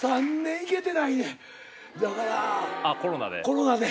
コロナで？